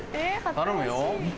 頼むよ